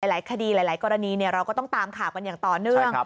หลายคดีหลายกรณีเราก็ต้องตามข่าวกันอย่างต่อเนื่อง